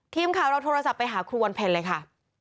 ทีมข่าวเราโทรศัพท์ไปหาครูวันเพ็ญเลยค่ะ